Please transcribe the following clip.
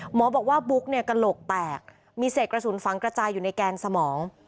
หมอบอกว่าบุ๊กเนี่ยกระโหลกแตกมีเศษกระสุนฝังกระจายอยู่ในแกนสมอง